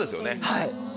はい。